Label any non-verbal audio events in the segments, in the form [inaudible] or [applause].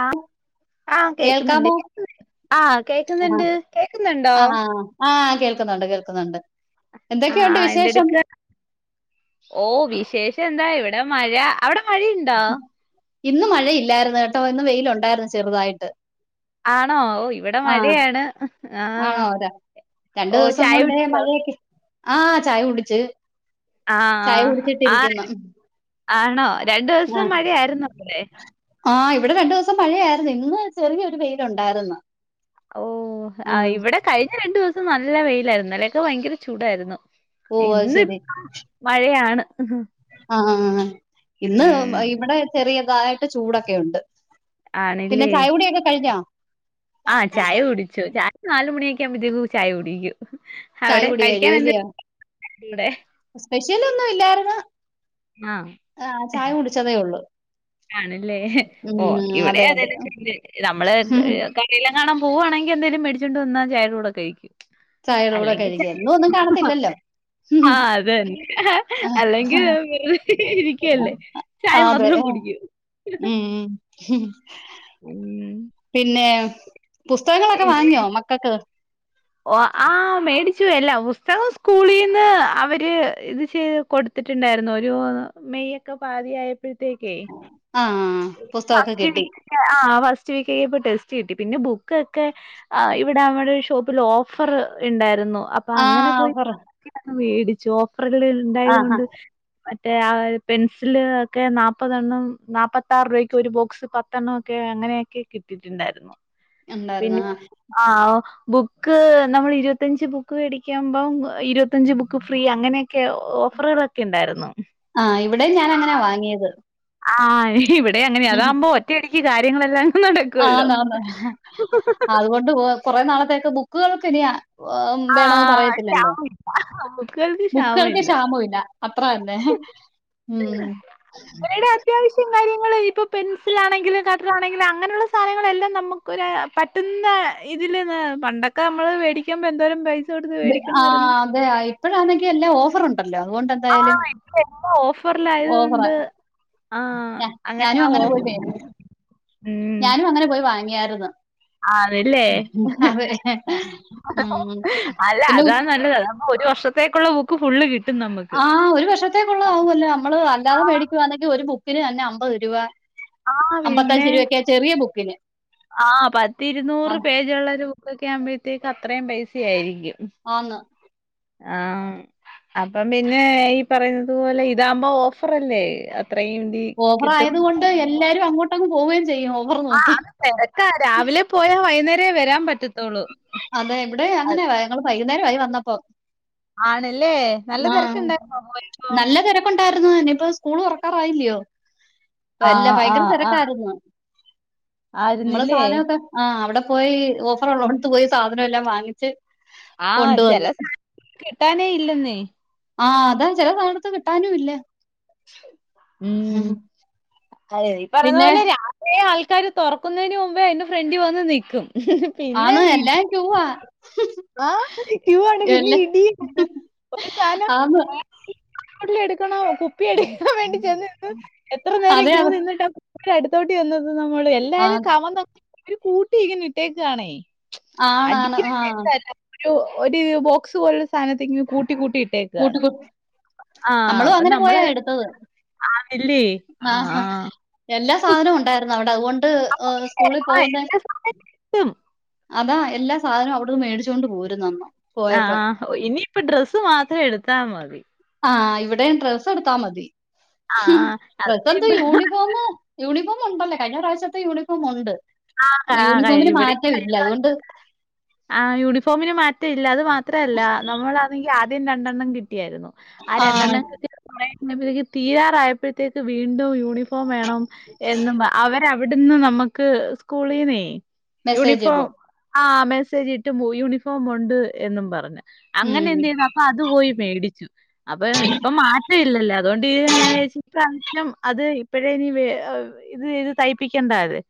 ആഹ് ആഹ് കേക്കുന്നുണ്ട് കേൾക്കാമോ കേ ആഹ് കേക്കുന്നുണ്ട് കേക്കുന്നുണ്ടോ ആഹ് കേൾക്കുന്നുണ്ട് കേൾക്കുന്നുണ്ട് എന്തൊക്കെയുണ്ട് വിശേഷം? ഓഹ് വിശേഷം എന്താ ഇവിടെ മഴ അവ്ടെ മഴയുണ്ടോ? ഇന്ന് മഴയില്ലായിര്ന്ന് കെട്ടോ ഇന്ന് വെയിലൊണ്ടായിര്ന്നു ചെറുതായിട്ട് ആണോ ഓയ് ഇവിടെമഴയാണ് ആണോരാ ചായ രണ്ട്ദിവസംകൊണ്ടെ കുടിച്ചോ മഴയൊക്കെ ആഹ് ചായകുടിച്ച് ആഹ് ആര് ആണോ രണ്ട്ദിവസംമഴയാര്ന്നു അപ്പലേ? ആഹ് ഇവിടെ രണ്ടൂസ്സം മഴയായിരുന്നു ഇന്ന് ചെറിയൊരു വെയ്ലുണ്ടായ്രുന്നു ഓഹ് ഇവിടെകഴിഞ്ഞരണ്ടൂസ്സം നല്ലവെയ്ലായിരുന്ന് ഇന്നലെക്കെ ഭയങ്കരചൂടായ്രുന്നു ഓ അത് ശരി ഇന്ന്പ്പൊ മഴയാണ്. ആഹഹ്ഹ് ഇന്ന് ഇവിടെചെറിയതായ്ട്ട് ചൂടൊക്കെയുണ്ട്. ആണ്ല്ലേ ആഹ് ചായകുടിച്ചു ചാ നാലുമണിയൊക്കെയാവുമ്പോത്തേക്കു ചായകുടിക്കും ചായ കുടി അവിടെകഴിക്കാൻ എന്തൂടെ സ്പെഷ്യലൊന്നും ഇല്ലാര്ന്ന് ആഹ് ആഹ് ചായകുടിച്ചതെഉള്ളൂ ആണല്ലേ ഓഹ് ഇവിടെ അതെ [unintelligible] നമ്മള് അതെ ക ഇലകാണാൻ പോവാണെങ്കി എന്തെലും മെട്ച്ചൊണ്ട്വന്നാ ചായന്റെ കൂടെ കഴിക്കും. ചായയുടെ കൂടെ അല്ലെങ്കി കഴിക്കുക എന്നും ഒന്നും കാണത്തില്ലല്ലോ [unintelligible] ആഹ് അതന്നെ അല്ലെങ്കിൽ വ ഇരിക്കല്ലേ ആ അതെ ചായമാത്രംകുടിക്കൂ ഉം ഉം [unintelligible] പിന്നെ ബുസ്തകങ്ങളൊക്കെവാങ്ങിയോ മക്കക്ക്? ഓഹ് ആ മേടിച്ചുയെല്ലാം പുസ്തകം സ്കൂളീന്ന് അവര് ഇത്ചെയ് കൊട്ത്തിട്ട്ണ്ടായ്രുന്നു ഒരുമെയ്ക്കെ പാതിയായ പ്പെയ്ത്തേക്കെ ആ പുസ്തകമൊക്കെ ഫസ്റ്റ് കിട്ടി വീക്ക് ആഹ് ഫസ്റ്റ് വീക്കെയ്പ്പോ ടെസ്റ്റ്കിട്ടി പിന്നെബുക്കൊക്കെ ആഹ് ഇവിടെ നമ്മടെ ഷോ ഓഫറ്കള് ഇണ്ടായ്രുന്നു അപ്പൊ ആ അങ്ങനെ ഓഫർ [unintelligible] ആ ആ ഉണ്ടായ്തൊണ്ട് മറ്റേ ആഹ് പെൻസില് ഒക്കെനാപ്പതണ്ണം നാപ്പത്താറ് രൂയൊക്ക് ഒരുബോക്സ് പത്ത് ത്തണ്ണൊക്കെ അങ്ങനെയക്കെകിട്ടിട്ട്ണ്ടായ്രുന്നു ഉണ്ടായിരുന്നു ആ. പിന്നെയൊ ആഹ് ബു ക്ക് നമ്മള്ഇരുവത്തഞ്ച്ബുക്ക് വേടിക്യാമ്പം ഇരുവത്തഞ്ച് ബുക്ക്ഫ്രീ അങ്ങനെക്കെ ഓഫ്‌റ്കള ക്കെണ്ട് യ്രുന്നു ആഹ് ഇവിടെ ഞാനങ്ങനാ വാങ്ങിയത് ആഹ് ഇവിടെങ്ങനെ അതാവ്മ്പോ ഒറ്റയടിക്ക് കാര്യങ്ങളെല്ലാം നടക്കല്ലോ ആന്നാന്ന് അതുകൊണ്ട് കുറെ നാളത്തേക്ക് ബുക്കുകൾ ഒക്കെ ഇനി വേണന്ന് ആഹ് പറയത്തില്ലല്ലോ ക്ഷാമമില്ല. ബുക്കുകൾക്ക് ബുക്കുകൾക്ക് ക്ഷാമമില്ല. ക്ഷാമം ഇല്ല അത്ര തന്നെ ഉം ഇവരുടെ അത്യാവശ്യം കാര്യങ്ങൾ ഇപ്പൊ പെൻസിലാണെങ്കിലും കട്ടറാണെങ്കിലും അങ്ങനെയുള്ള സാധനങ്ങളെല്ലാം നമുക്ക് ഒരു പെട്ടന്ന് ഇതില് പണ്ടൊക്കെ നമ്മള് മേടിക്കുമ്പോ എന്തോരം പൈ ആഹ് അതെ ഇപ്പോഴാണെങ്കിൽ എല്ലാം ഓഫർ ഉണ്ടല്ലോ അതുകൊണ്ട് എന്തായാലും ഇപ്പൊ എല്ലാ ഓഫറിൽ ആയത് ഓഫറാ കൊണ്ട് ആഹ് ഞാ- അങ്ങനെ ഞാനും ആ പോയി ഓഫർ വേ- ഞാനും അങ്ങനെ പോയി വാങ്ങിയായിരുന്നു ആതല്ലേ അതെ. മ്മ്. അല്ല പിന്നെ ഉ അതാണ് നല്ലത് ഒരു വർഷത്തേക്കുള്ള ബുക്ക് ഫുള്ള് കിട്ടി ആഹ് ഒരു വർഷത്തേക്കുള്ള ആവല്ലോ നമ്മള് അല്ലാതെ ആഹ് മേടിക്കുവാന്നെങ്കിൽ ഒരു ബുക്കിന് തന്നെ അമ്പത് രൂപ ആഹ് പിന്നെ അമ്പത്തഞ്ച് രൂപയൊക്കെയ ചെറിയ ബുക്കിന് ആഹ് പത്തിരുനൂറ് അത് പേജ് ഉള്ള ഒരു ബുക്കൊക്കെ ആവുമ്പോഴത്തേക്ക് അത്രയും പൈസ ആയിരിക്കും ആന്ന് ആഹ് അപ്പം പിന്നെ ഈ പറയുന്നത് പോലെ ഇതാകുമ്പോ ഓഫറല്ലേ അത്രയും ഡി ഓഫർ കിട്ടും ആയത് കൊണ്ട് എല്ലാരും അങ്ങോട്ട്ങ്ങ് പോവുകയും ചെയ്യും ഓഫർ ആഹ് നോക്കി അത് തിരക്കാ രാവിലെ പോയാ വൈകുന്നേരേ വരാൻ പറ്റത്തുള്ളൂ അതെ ഇവിടെ അങ്ങനെയ ഞങ്ങള് വൈകുന്നേരമായി വന്നപ്പോ ആണല്ലേ നല്ല തിരക്കുണ്ടായിരുന്നോ പോയപ്പോ കൊണ്ടായിരുന്നു ഇനി ഇപ്പ സ്കൂൾ തുറക്കാറായില്ലയോ എല്ലാം ആഹ് ഭയങ്കര ആഹ് ആഹ് തിരക്കായിരുന്നു നമ്മള് ആയിരുന്നില്ലേ സാധനം ഒക്കെ ആഹ് അവിടെ പോയി ഓഫർ ഉള്ള അടുത്ത് പോയി സാധനം എല്ലാം വാങ്ങിച്ച് ആഹ് ചില കൊണ്ടുവന്ന്. സാധനങ്ങൾ കിട്ടാനേ ഇല്ലെന്നെ ആഹ് അതാ ചില സമയത്ത് കിട്ടാനും ഇല്ല ഉം അതെ ഈ പറഞ്ഞ പിന്നെ പോലേ [unintelligible] കുറെ ആൾക്കാര് തുറക്കുന്നതിന് മുമ്പേ അതിന്റെ ഫ്രണ്ട്ൽ വന്ന് നിൽക്കും ആന്ന് എല്ലാം ക്യുവാ ആഹ് ക്യു ആണ് പിന്നെ ഇടി ഒരു സാധനം ആന്ന് എടുക്കണോ കുപ്പി എടുക്കാൻ വേണ്ടി ചെന്ന് നിന്ന് എത്ര നേരം അതെ ക്യൂ അതെ നിന്നിട്ടാ അഹ് അടുത്തോട്ട് വന്നത് നമ്മള് ആ എല്ലാരും കമന്നു ഒരു കൂട്ടി ഇങ്ങനെ ഇട്ടേക്കാണേ ആണാണ് അടിക്ക ആ ഒരു ബോക്സ് പോലുള്ള സാധന ഇങ്ങനെ കൂട്ടി കൂട്ടിട്ട [unintelligible] നമ്മളും അപ്പൊ അങ്ങനെ പോയാ നമ്മളത് എടുത്തത് ആഹ് എല്ലാ സാധനവും ഉണ്ടായിരുന്നു അവിടെ അതുകൊണ്ട് പക്ഷെ സ്കൂളിൽ ആഹ് പോകുന്ന എല്ലാ സാധനം കിട്ടും അതാ എല്ലാ സാധനവും അവിടുന്ന് മേടിച്ചൊണ്ട് പോരുന്നു അമ്മ പോയപ്പം ഓ ഇനിയിപ്പ ഡ്രസ്സ് മാത്രം എടുത്താ മതി ആഹ് ഇവിടെ ഡ്രസ്സ് എടുത്താ മതി ആഹ് ഡ്രസ്സ് എന്താ അത് യൂണിഫോം യൂണിഫോ യൂണിഫോം ഉണ്ടല്ലേ കഴിഞ്ഞ പ്രാവശ്യത്തെ യൂണിഫോം ഉണ്ട് ആഹ് ആഹ് കഴി യൂണിഫോമിന് മാറ്റം ഇല്ല അതുകൊണ്ട് ആഹ് യൂണിഫോമിന് മാറ്റം ഇല്ല അത് മാത്രം അല്ല നമ്മളാണെങ്കിൽ ആദ്യം രണ്ടെണ്ണം കിട്ടിയായിരുന്നു ആഹ് ആ രണ്ടെണ്ണം ഇട്ട് കീരാറായപ്പോഴത്ക്ക് വീണ്ടും യൂണഫോ ഇപ്പ വേണം എന്നും അവരവിടുന്ന് നമുക്ക് സ്കൂളീന്നേ മെസ്സേജ് യൂണിഫോം ഇടും ആഹ് മെസ്സേജ് ഇട്ടു യൂണിഫോം ഉണ്ട് എന്നും പറഞ്ഞ് അങ്ങനെ ഉം എന്ത് ചെയ്തു അപ്പൊ അത് പോയി മേടിച്ചു അപ്പൊ ഇപ്പൊ മാറ്റം ഇല്ലല്ലോ അതുകൊണ്ട് ഞാൻ വിചാരിച്ചു ഈ പ്രാവശ്യം അത് ഇപ്പഴേ ഇനി ഇത് ഇത് തയ്പ്പിക്കേണ്ട അതെ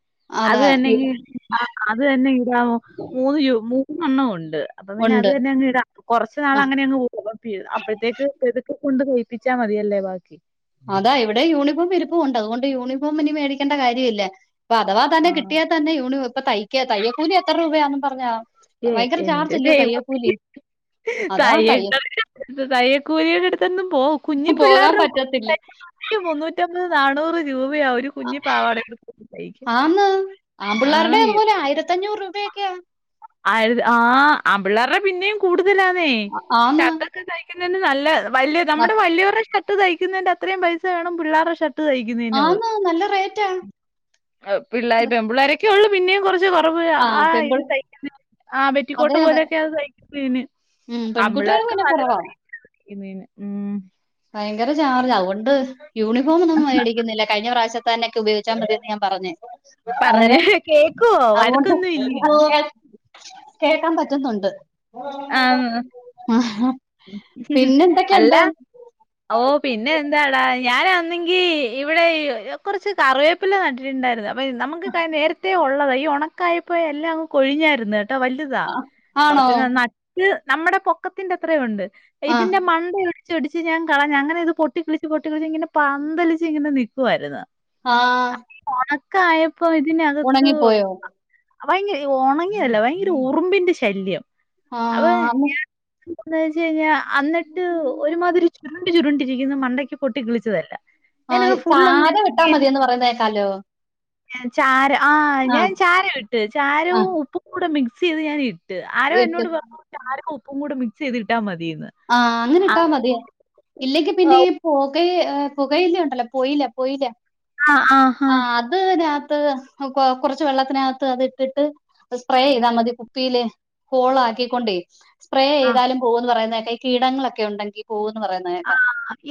അത് അതാ ഇ- തന്നെങ്കിൽ ആഹ് അത് തന്നെ ഇടാവോ മൂന്ന് മൂന്നെണ്ണം ഉണ്ട് അപ്പ പിന്നെ അത് ഉണ്ട് തന്ന അങ്ങ് ഇടാം കുറച്ച ആ നാൾ അങ്ങനെ അങ്ങ് പോവേണ്ടി വരും അപ്പോഴത്തേക്ക് പതുക്കെ കൊണ്ട് തയിപ്പിച്ചാ മതിയല്ലേ ബാക്കി അതാ ഇവിടെ യൂണിഫോം ഇരിപ്പുവുണ്ട് അതുകൊണ്ട് യൂണിഫോം ഇനി മേടിക്കേണ്ട കാര്യവില്ല അപ്പൊ അഥവാ ആ തന്നെ കിട്ടിയ തന്നെ യൂണി ഇപ്പ തയ്ക്ക തയ്യ കൂലി എത്ര രൂപയാന്നും പറഞാ ഏഹ് എന്റെ ദൈവമേ തയ്യ തയ്യക്കൂലിയുടെ അടുത്ത്ന്നും പോകും കുഞ്ഞി പിള്ളാരുടെ പറ്റത്തില്ലേ നിക്ക് മുന്നൂറ്റമ്പത് നാനൂറ് രൂപയാ ഒരു കുഞ്ഞി പാവാട ഉടുപ്പും തൈക്ക ആന്ന് ആമ്പിള്ളേരുടെ ആഹ് അതുപോലെ എന് ആയിരത്തഞ്ഞൂറ് രൂപയൊക്കയാ ആര്ത് ആഹ് ആമ്പിള്ളേരുടെ പിന്നേം കൂടുതലാന്നേ ആന്ന് ഷർട്ടൊക്കെ തയ്ക്കുന്നതിന് നല്ല വല്യ ന- നമ്മടെ വല്യവരുടെ ഷർട്ട് തയ്ക്കുന്നതിന്റെ അത്രേം പൈസ വേണം പിള്ളാരുടെ ഷർട്ട് തയ് ആന്ന് നല്ല റേറ്റാ [unintelligible] ആഹ് പിള്ളാര്‌ പെമ്പിള്ളാരൊക്കേ ഒള്ളു പിന്നേം കൊറച്ച് [unintelligible] കുറവ് ആ അഹ് ആഹ് പെൺപിൾ ഇത് തൈ ആഹ് ബെറ്റിക്കോട്ട് അതെ അതെ പോലെക്കെയാ അത് തയ്ക്കുന്നതിന് ഉം പെൺകുട്ടികൾ അമ്മളത് പിന്നെ മല കുറവാ [unintelligible] ഇന്നെന്നേ ഉം ഭയങ്കര ചാർജ് ആതുകൊണ്ട് യൂണിഫോം ഒന്നും മേടിക്കുന്നില്ല കഴിഞ്ഞ പ്രാവശ്യം തന്നൊക്കെ ഉപയോഗിച്ചാൽ മതിന്ന് ഞാൻ പറഞ്ഞു പറഞ്ഞ് അന്നേരം കേക്കുവോ അതുകൊണ്ട് വഴക്കൊന്നും ഇല്ലയോ കേക്കാൻ പറ്റുന്നുണ്ട് ആന്ന് ആഹ് അല്ല ഓഹ് പിന്നെ എന്താടാ ഞാൻ ഒന്നെങ്കി ഇവിടെ കുറച്ച് കറിവേപ്പില നട്ടിട്ടുണ്ടായിരുന്നപ് വരും നമുക്ക്ക്ക നേരത്തെ ഒള്ളതാ ഈ ഒണക്കായപ്പോ എല്ലാംങ് കൊഴിഞ്ഞാരുന്നു കേട്ടോ വൽ ട്ട്താ ആണോ കൊറച്ച് ന നട്ട് നമ്മുടെ പൊക്കത്തിന്റത്രേം ഉണ്ട് ആ ഇതിന്റെ മണ്ടയൊര് ച്ചോടിച്ച് ഞാൻ കളഞ് അങ്ങനെ ഇത് പൊട്ടികിളിച്ച് പൊട്ടിക്കിളിച്ച് ഇങ്ങനെ പന്തലിച്ച് ഇങ്ങനെ നിക്കുവാരുന്നു ആഹ് പണോക്കായപ്പോ ഇതിനകത്ത് ഭയങ്ക ഏഹ് ഒണങ്ങിയല്ല ഭയങ്കര ഉറുമ്പിന്റെ ശല്യം ആങ്ങു ന്താച്ചഴിഞ്ഞാ അന്നിട്ട് ഒരുമാതിരി ചുരുണ്ട് ചുരുണ്ടിരിക്കുന്നു മണ്ടക്ക് പൊട്ടി കിളിച്ചതല്ല ആഹ് ചാരവിട്ടാമതിന്ന് പറയുന്നകേക്കാല്ലോ ചാര ആഹ് ഞാൻ ചാരവിട്ട് ആ ചാരവും ഉപ്പും കൂടെ മിക്സ്യ്ത് ഞാൻ ഇട് ട്ട് ആരോ ഇട്ട് എന്നോട് പറഞ്ഞു ചാരോം ഉപ്പും കൂടി മിക്സ്യ്ത് ഇട്ടാ മതിന്ന് ആഹ് അങ്ങനെ ഇട്ടാ മതി ഇല്ലെങ്കി പിന്നെ ഈ പുകെ ഏഹ് പുകയിലണ്ടല്ലോ പൊയ്ല പൊയ്ല ആഹ് ആഹ് ആഹ് അത് രാത്ത് ആഹ് കൊ കൊറച്ച് വെള്ളത്തിനാത്ത് അത് ഇട്ടിട്ട് സ്പ്രേ യ്താ മതി കുപ്പില് ഹോളാക്കിക്കൊണ്ടേ സ്പ്രേ ആ ചെയ്താലും പോകൂന്ന് പറയുന്ന കേക്കാ ഈ കീടങ്ങളൊക്കെ ഉണ്ടെങ്കി പോകൂന്ന് പറയുന്ന കേക്കാം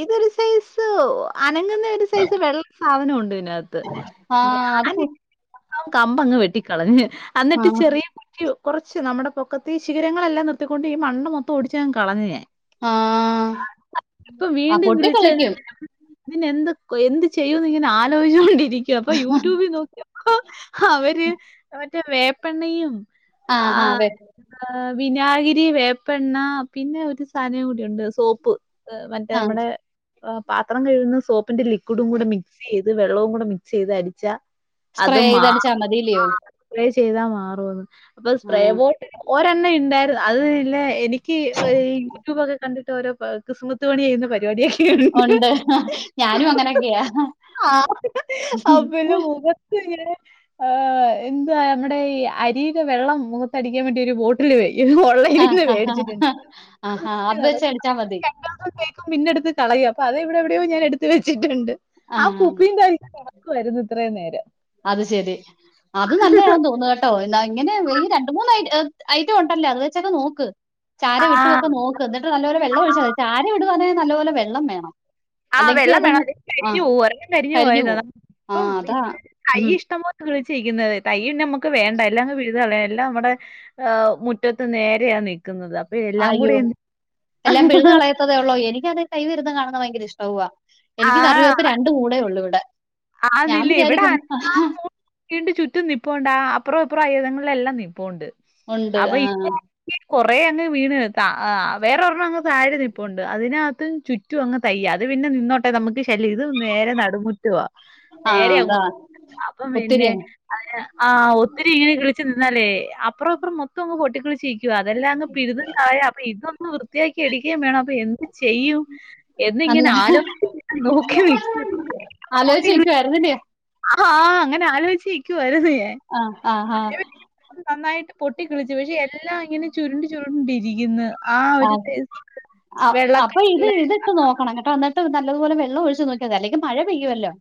ഇതൊരു സൈസ് അനങ്ങുന്ന ഒരു സൈസ് വെള്ള സാധനം ഉണ്ട് ഇതിനകത് ത് ആ അത് ഞാനി പു- [unintelligible] കമ്പങ്ങ് വെട്ടിക്കളഞ്ഞ് ആ അന്നിട്ട് ചെറിയ ക്യു കൊറച്ച് നമ്മുടെ പൊക്കത്തി ശിഖരങ്ങളെല്ലാം നിർത്തിക്കൊണ്ട് ഈ മണ് മൊത്തം ഓടിച്ചങ്ങ് കളഞ് ഞാന് ആഹ് ഇപ്പൊ വീണ്ടും [unintelligible] ഇതിന് എന്തൊക് എന്ത് ചെയ്യുംന്ന് ഇങ്ങനെ ആലോയ്ച്ചോണ്ടിരിക്കുവാ അപ്പൊ യൂട്യൂബിൽ നോക്കിയോ അവര് മറ്റേ വേപ്പെണ്ണയും ആ ആ ആഹ് അതെ. ആഹ് വിനാഗിരി വേപ്പെണ്ണ പിന്നെ ഒരു സാധനം കൂടിയുണ്ട് സോപ്പ് ഏഹ് മറ്റേ ആ മ്മടെ ആഹ് പാത്രം കഴുകുന്ന സോപ്പിന്റെ ലിക്വിഡും കൂടെ മിക്സ്യ്ത് വെള്ളവും കൂടെ മിക്സ്യ്ത് അടിച്ച സ്പ്രേ അത് മാറു ചെയ്തടിച്ചാ [unintelligible] മതില്ലയോ? ആഹ് അപ്ലേ ചെയ്താ മാറുവെന്ന് അപ്പൊ ആ സ്പ്രേ ബോ ഒരെണ്ണ ഇണ്ടാരുന്നു അത് ഇല്ല എനിക്ക് യൂട്യൂബൊക്കെ കണ്ടിട്ട് ഓരോ പ ഏഹ് ക്സ്മത്ത് പണിയ്യുന്ന പരിപാടിയേ ഉണ്ട്. ഞാനും അങ്ങനൊക്കെയാ. ആഹ് ആഹ് പിന്ന [unintelligible] തിങ്ങിലേ ആഹ് ആഹ് എന്താ മ്മുടെ ഈ അരീരെ വെള്ളം മുഖത്തടിക്കാൻ വേണ്ടി ഒരു ബോട്ടില് വെയ് ഓൻയ് ആഹ് ആഹ് ഹാ ആഹ് ഹാ അത് ച്ച്ടിച്ചാ മതി ആഹ് കേക്കും പിന്നെടുത്ത് കളയേ അപ്പോ അത് ഇവിടെ എവിടെയോ ഞാൻ എടുത്ത് വെച്ചിട്ടുണ്ട് ആ ആഹ് ആ, കുപ്പിന്റായി ക്കു വരുന്നു ഇത്രേം നേരം അത് ശെരി അത് നല്ലെയാ തോന്ന ട്ടോ എന്നാ ഇങ്ങനെ ഈ രണ്ട് മൂന്ന് ഐറ്റം ഒണ്ടല്ലാ അത് വെച്ചങ്ങ് നോക്ക് ആ ചാരം ഇട്ടു വെക്കാ നോക്ക് എന്നിട്ട് നല്ലപോലെ വെള്ളം ഒഴിച്ചാതി ചാരെ ഇടുവാന്നേ നല്ല പോലെ വെള്ളം വേണം ആഹ് അല്ലെങ്കി വെള്ളം വേണം അതങ്ങ് അല്ലങ്കി ആ കരിഞ്ഞു പോവും ഒരെണം കരിഞ്ഞു പോയതാ ആ ഇപ്പം അതാ. തൈ ഉം. ഇഷ്ടംപോ ക്ക് ചെയ്യുന്നത് തയ്യിന്നമ്മക്ക് വേണ്ട എല്ലാംങ്ങ് വിഴുതുകളയാ എല്ലാം നമ്മുടെ ആഹ് മുറ്റത്ത് നേരെയാ നിക്കുന്നത് അപ്പെ എല്ലാം കൂടെ എന്ത് ത്തതേ ഒള്ളോ എനിക്കത് കൈവിരുദ്ധം കാണുന്ന ഭയങ്കര ഇഷ്ടവ്വാ ആ എനിക്ക് കറിവേപ്പ് രണ്ട് മൂടേ ഒള്ളൂ ഇവിടെ ആഹ് ഞാൻ നില്ലേ ഇവിട വിചാരിക്കുന്നു ക്കീണ്ട് ചുറ്റും നിപ്പോണ്ട് ആഹ് അപ്പറോം ഇപ്പറോം ആയതങ്ങളേ എല്ലാം നിപ്പോണ്ട് ഉണ്ട് അപ്പം ആ ഇപ്പോ ഈ കൊറേ അങ്ങ് വീണ് താ വേറെ ഒരെണ്ണം അങ്ങ് താഴെ നിപ്പുണ്ട് അതിനാത്ത് ചു റ്റും അങ്ങ് തയ്യാ അത് പിന്നെ നിന്നോട്ടെ നമുക്ക് ശല്യം ഇത് നേരെ നടുമുറ്റവാ ആ നേരെ അങ്ങു അതാ അപ്പം ഒത്തിരി പിന്നെ അയ്യാ ആഹ് ഒത്തിരി ഇങ്ങനെ കളിച്ചു നിന്നാലേ അപ്പറം ഇപ്പറം മൊത്തം അങ്ങ് പൊട്ടിക്കിളിച്ചീ ക്കു അതെല്ലാം അങ്ങ് പിഴുതും കളയാ അപ്പോ ഇതൊന്ന് വൃത്തിയാക്കി എടിക്കേം വേണം അപ്പോ എന്ത് ചെയ്യും എന്നിങ്ങനെ അന്ന് ആലോ [unintelligible] ക്കും നോക്കി നിക്കും ആലോയിച്ച് നിക്കുവാര്ന്നല്ല്യോ ആഹ് ഹാ അങ്ങനെ ആലോയ്ചിക്കുവാരുന്ന് ഞാ ആഹ് ആഹ് ആഹ് നന്നായിട്ട് പൊട്ടിക്കിളിച്ചു പക്ഷേ എല്ലാം ഇങ്ങനെ ചുരുണ്ട് ചുരുണ്ട് ഇരിക്കുന്ന് ആഹ് ആഹ് അപ്പോ ഈ ഇത് കളറിലെ ഇതിട്ട് നോക്കണംകേട്ടോ എന്നിട്ട് നല്ലതുപോലെ വെള്ളം ഒഴിച്ചു നോക്കിയാതി അല്ലെങ്കി മഴ പെയ്യുവല്ലോ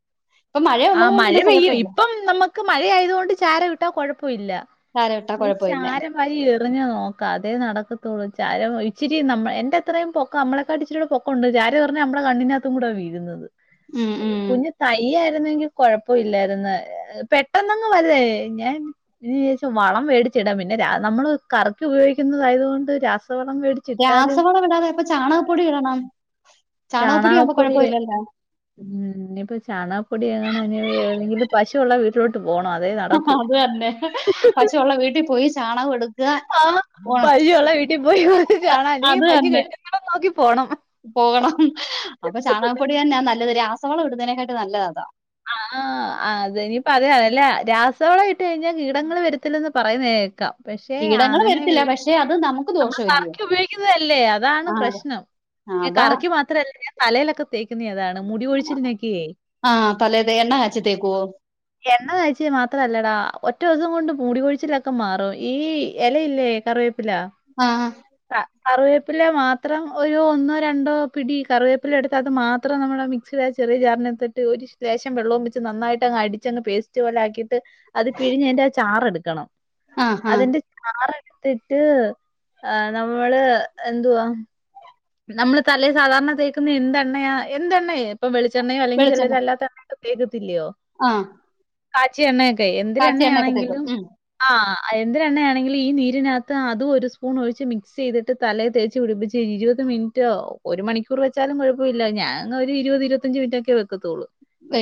ഇപ്പോ മഴയേ ആ ഉള്ളതു കൊണ്ട് മഴ പിന്ന പെയ്യും. കൊഴപ്പം ഇല്ല ഇപ്പം നമുക്ക് മഴ ആയതുകൊണ്ട് ചാരം ഇട്ടാ കൊഴപ്പ ഇല്ല ചാരം ഇട്ടാ ഈ കുഴപ്പമില്ല ചാരം വാരി എറിഞ്ഞ് നോക്കാ അതേ നടക്കത്തൊള്ളൂ ചാരം ഇച്ചിരി നമ്മെ എന്റെ അത്രേം പൊക്ക അമ്മളെക്കാട്ടി ഇച്ചിരൂട പൊ കൊണ്ട് ചാര് പറഞ്ഞാ ഞമ്മട കണ്ണിനാത്തും കൂട വീഴുന്നത് ഉം ഉം കുഞ്ഞ് തൈയ്യേ ട്ടുന്നങ്കി കൊഴപ്പ ഇല്ലാരുന്ന് പെട്ടെന്നങ്ങ് വല്തേ ഞാൻ ഇതിനേഷം വളം മേടിച്ചിടാം പിന്നെ രാ നമ്മള് കറ്ക്ക് ഉപയോക്കുന്നത് കൊണ്ട് രാസവളം മേടി രാസവളവിടാതെ ഇപ്പൊ ചാണകപ്പൊടി ഇടണം ചാണകപ്പൊടി ആമ്പോ കൊഴപ്പവില്ലല്ലാ ഉം ഇന്നിപ്പോ ചാണപ്പൊടിയങ്ങാണ് ഇനി വേവല്ലങ്കില് പശു ഒള്ള വീ ട്ടിലോട്ട് പോണം അതേ നടക്കു അത് തന്നെ പശുവുള്ള വീട്ടിൽ പോയി ചാണകം എടുക്കുക ആഹ് ഉണ- പൈയ്യൊള്ള വീട്ടി പോയി കൊറച്ച് ചാണം അല്ലെങ്കി പശു കെട്ടുന്നടം നോക്കി പോണം പോണം അപ്പോ ചാണകപ്പൊടി എന്നാ നല്ലത് രാസവളം ഇടുന്നേനക്കാട്ടി നല്ലത അതാ ആഹ് അതെ ഇനിപ്പം അതേ അല്ലല്ലാ രാസവളേ ഇട്ട് കഴിഞ്ഞാൽ കീടങ്ങള് വരുത്തില്ലെന്ന് പറയുന്നേക്കാം പക്ഷേ കീടങ്ങൾ അങ്ങനെ ഇ വരത്തില്ല പക്ഷെ അത് നമുക്ക് ഞമ്മള് ദോഷമില്ല കറക്ക് ഉപയോഗിക്കുന്നേ അല്ലേ അതാണ് ആ പ്രശ്നം അതാ കറിക്ക് മാത്രല്ല ഞാൻ തലേല് ഒക്കെ തേക്കുന്നേ അതാണ് മുടി കൊഴിച്ചിൽനക്കേ ആഹ് തലേത് എണ്ണ കാച്ചി തേക്കോ എണ്ണകാച്ചിയ മാത്ര അല്ലടാ ഒറ്റോസം കൊണ്ട് മൂടികൊഴിച്ചിലക്ക മാറും ഈ എലയില്ലേ കറിവേപ്പില ആഹ് കറിവേപ്പില മാത്രം ഒരു ഒന്നോ രണ്ടോ പിടി കറിവേപ്പില എടുത്ത് അത് മാത്രം നമ്മള മി സിലെ ആ ചെറിയ ജാറിനാത്തിട്ട് ഒരു ലേശം വെള്ളോം വിച്ച് നന്നായിട്ട് അങ്ങ് അടിച്ചങ്ങ് പേസ്റ്റ് പോലെ ആക്കീട്ട് അത് പിഴഞ്ഞ് ആയിന്റെ ആ ചാറ് എടുക്കണം ആ ആ അതിന്റെ ആറ് എടുത്തിട്ട് ആഹ് നമ്മള് എന്തുവാ നമ്മള് തലെ സാധാർണ തേക്ക്ന്നെന്തെണ്ണയ എന്തെണ്ണയെ ഇപ്പൊ വെളിച്ചെണ്ണയൊ അല്ലെങ്കി ചെലര് അല്ലാത്ത പ്പൊ തേക്കത്തിൽയോ ആഹ് കാച്ചിയ എണ്ണയൊക്കെയ് എണ്ണയൊക്കെ തേക്കും എന്തെരെണ്ണയാണെങ്കിലും ഉം ആഹ് അ എന്തെരെണ്ണയാണെങ്കിലു ഈ നീരിനകത്ത് അതു ഒരു സ്പൂൺ ഒഴിച്ച് മിക്സിയേത്ട്ട് തലേ തേച്ച് പിടിപ്പിച്ച് കെയ്ഞ്ഞ് ഇരുവത് ത്ത് മിൻറ്റോവ് ഒരു മണിക്കൂറ് വച്ചാലും കൊഴപ്പയില്ല ഞാങ്ങ് ഒരു ഇരുപത് ഇരുപത്തഞ്ച് മിനിറ്റ് ഒക്കെ വെക്കത്തൊള്ളൂ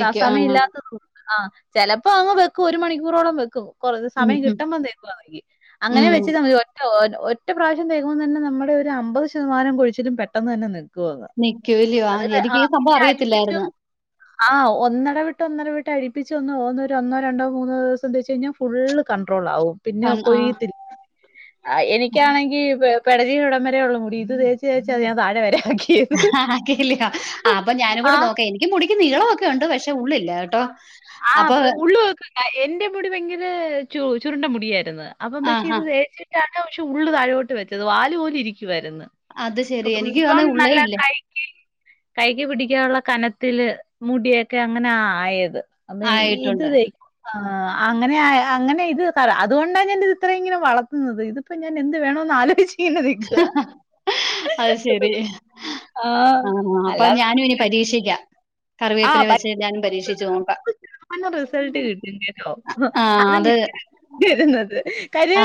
സാ ആ ആ സമയല്ലാത്ത തു ആ ചെലപ്പോ അങ്ങ് വെക്കും ഒരു മണിക്കൂറോളം വെക്കും കൊറ റ് ഉം സമയം ഉം കിട്ടുമ്പോ തേക്കു [unintelligible] അങ്ങനെ ഉം വെച്ച് [unintelligible] ഒ-ഓൻ ഒറ്റ പ്രാവശ്യം തേക്കുമ്മ തന്നെ നമ്മുടെ ഒരു അമ്പത് ശതമാനം കൊഴിച്ചിലും പെട്ടെന്നന്നെ നി നിക്കൂലയോ ആ എനിക്ക് ഈ സംഭവം [inaudible] അടിപ്പിച്ചു അറിയത്തില്ലായിരുന്നു ആഹ് ഒന്നട വിട്ട് ഒന്നട വിട്ട് അരിപ്പിച്ച് ഒന്ന് ഓന്നൊരു ഒന്നോ രണ്ടോ മൂന്നോ ദെവസം തേച്ചേഞ്ഞു ഫുള്ള് കൺണ്ട്രോൾ ആവും പിന്നെ കൺ ആ കൊഴിയത്തിൽ ഏർ എനിക്കാണെങ്കി പെ-പെടലി ഇവടം വരെ ഒള്ളു മുടി ഇത് തേച്ച് [unintelligible] ഞാൻ താഴെ വരെ ആക്കിയത്. ആഹ് അപ ഞാനുങ്കൂടെ ആഹ് നോക്കെ ൻ്റെ മുടിക്ക് നീളവൊക്കെ ഉണ്ട് പക്ഷെ ഉള്ളില്ല കേട്ടോ ആ അപ്പൊ പ് ഉള്ളു വെക്കണ്ട എന്റെ മുടി ഭയങ്കര ചു-ചുരുണ്ട മുടിയായിരുന്ന് അപ്പം ആ പക്ഷെ ആ ഇത് തേച്ചിട്ടാണ് പക്ഷെ ഉള്ള് താഴോട്ട് വച്ചത് വാല് പോലെ ഇരിക്കുവായിര്ന്ന് അത് ശരി പ്പക്ക് ഉം എനിക്ക് വന്ന പ്പം ഉള്ളേ നല്ല ഇല്ല കൈക്കി കൈക്ക് പിടിക്കാനുള്ള കനത്തില് മുടിയൊക്കെ അങ്ങനെ ആയത് അമ്മേ ഇത് ആയിട്ടുണ്ട് വെ ആഹ് അങ്ങനെ ആയ് അങ്ങനെ ഇത് പറ അതുകൊണ്ടാ ഞൻ്റിൽ ഇത്ര ഇങ്ങനെ വളർത്ത്ന്നത് ഇത് ഇപ്പ ഞാൻ എന്ത് വേണോന്ന് ആലോയ്ച്ച് ഇന്നെ നിക്ക അത് ശരി ആഹ് അല്ലാ [inaudible] പരീക്ഷിക്ക കറിവേപ്പില വെച്ചെ ഞാനും പരീക്ഷിച്ച് നോക്ക അന്ന് റിസൾട്ട് ആ അത് കിട്ടി [inaudible]